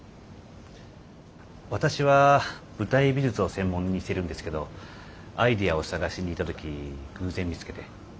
私は舞台美術を専門にしてるんですけどアイデアを探しに行った時偶然見つけて。